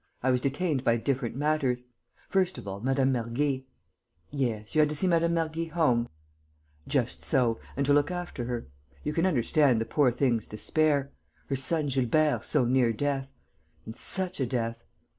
I was detained by different matters. First of all, Mme. Mergy...." "Yes, you had to see Mme. Mergy home." "Just so, and to look after her. You can understand the poor thing's despair.... Her son Gilbert so near death.... And such a death!...